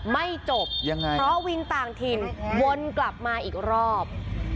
ไม่จบยังไงเพราะวินต่างถิ่นวนกลับมาอีกรอบ